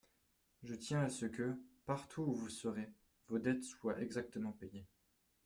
Je tiens à ce que, partout où vous serez, vos dettes soient exactement payées.